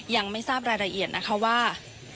ยังไม่ทราบรายละเอียดนะคะว่า